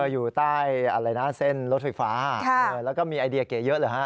อยู่ใต้อะไรนะเส้นรถไฟฟ้าแล้วก็มีไอเดียเก๋เยอะเหรอฮะ